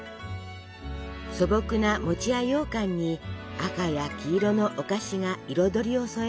素朴な餅やようかんに赤や黄色のお菓子が彩りを添えます。